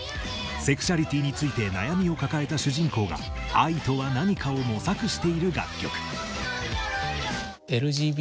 セクシャリティーについて悩みを抱えた主人公が愛とは何かを模索している楽曲。